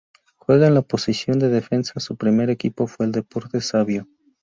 Juega en la posición de defensa, su primer equipo fue el Deportes Savio.